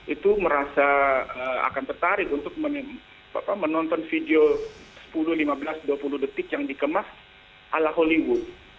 itu merasa akan tertarik untuk menonton video sepuluh lima belas dua puluh detik yang dikemas ala hollywood